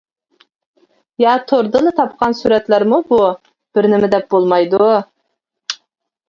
يا توردىنلا تاپقان سۈرەتلەرمۇ بۇ، بىر نېمە دەپ بولمايدۇ.